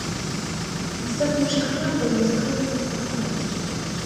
Мясцовым жыхарам было загадана пахаваць іх.